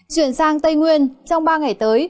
chuyển sang tây nguyên trong ba ngày tới